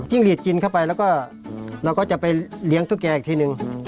จิ้งลีดจิ้นเข้าไปเราก็จะไปเลี้ยงตุ๊กแกอีกทีหนึ่ง